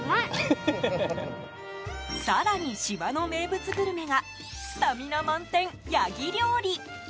更に、島の名物グルメがスタミナ満点、ヤギ料理。